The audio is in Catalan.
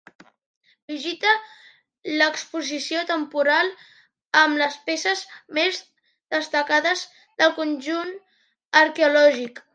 Visita l'Exposició temporal amb les peces més destacades del conjunt arqueològic.